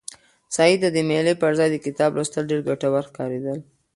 سعید ته د مېلې پر ځای د کتاب لوستل ډېر ګټور ښکارېدل.